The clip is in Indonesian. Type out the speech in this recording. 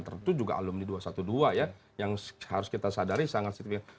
tentu juga alumni dua ratus dua belas ya yang harus kita sadari sangat signifikan